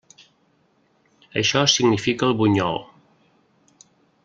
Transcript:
Això significa el bunyol.